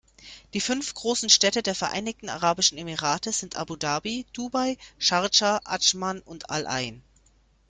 Die fünf großen Städte der Vereinigten Arabischen Emirate sind Abu Dhabi, Dubai, Schardscha, Adschman und Al-Ain.